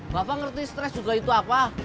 bapak ngerti stres juga itu apa